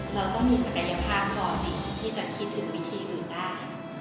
เราต้องมีศักยภาพพอสิ่งที่จะคิดถึงวิธีอื่นได้